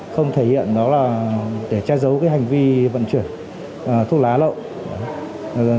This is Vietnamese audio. không thể hiện đó là để che giấu cái hành vi vận chuyển thuốc lá lậu